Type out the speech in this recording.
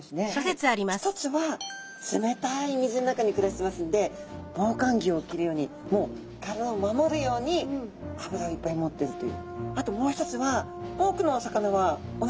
一つは冷たい水の中に暮らしてますんで防寒着を着るように体を守るように脂をいっぱい持ってるという。